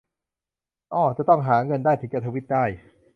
อ้อ ต้องหาเงินได้ถึงจะทวีตได้